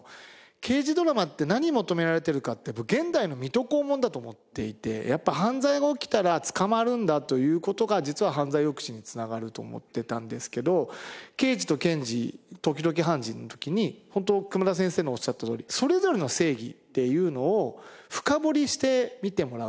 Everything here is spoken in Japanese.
刑事ドラマって何求められてるかって現代の『水戸黄門』だと思っていてやっぱ犯罪が起きたら捕まるんだという事が実は犯罪抑止に繋がると思ってたんですけど『ケイジとケンジ、時々ハンジ。』の時にホント熊田先生のおっしゃったとおりそれぞれの正義っていうのを深掘りして見てもらう。